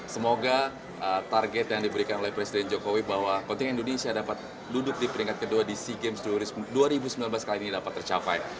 semoga target yang diberikan oleh presiden jokowi bahwa kontingen indonesia dapat duduk di peringkat kedua di sea games dua ribu sembilan belas kali ini dapat tercapai